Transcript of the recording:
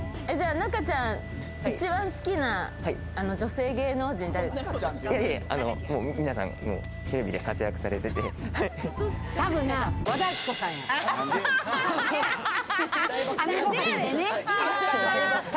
中ちゃん、一番好きな女性芸能人、誰ですか？